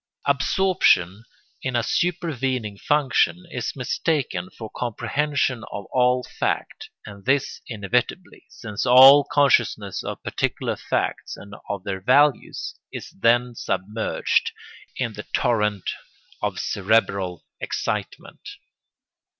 Absorption in a supervening function is mistaken for comprehension of all fact, and this inevitably, since all consciousness of particular facts and of their values is then submerged in the torrent of cerebral excitement.